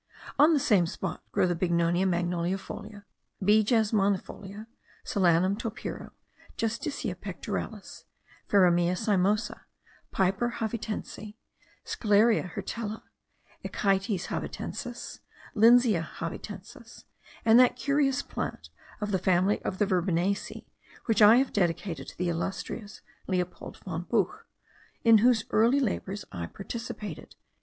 On the same spot grow the Bignonia magnoliaefolia, B. jasminifolia, Solanum topiro, Justicia pectoralis, Faramea cymosa, Piper javitense, Scleria hirtella, Echites javitensis, Lindsea javitensis, and that curious plant of the family of the verbenaceae, which I have dedicated to the illustrious Leopold von Buch, in whose early labours I participated.)